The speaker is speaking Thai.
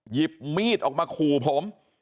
หยิบมีดออกมาขู่ผม